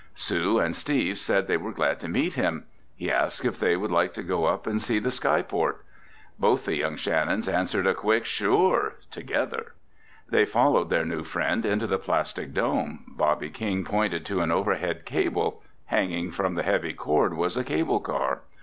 Sue and Steve said they were glad to meet him. He asked if they would like to go up and see the skyport. Both the young Shannons answered a quick, "Sure!" together. They followed their new friend into the plastic dome. Bobby King pointed to an overhead cable. Hanging from the heavy cord was a cable car.